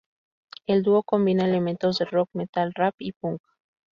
El dúo combina elementos de rock, metal, rap y punk.